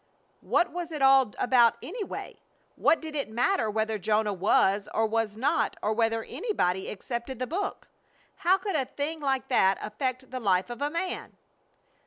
What was it all about, anyway? What did it matter whether Jonah was or was not, or whether anybody accepted the book? How could a thing like that affect the life of a man?